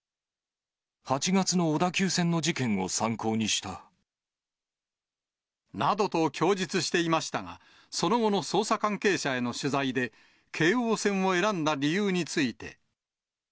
８月の小田急線の事件を参考にした。などと供述していましたが、その後の捜査関係者への取材で、京王線を選んだ理由について。